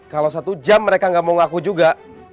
kalo satu jam mereka ga mau ngaku juga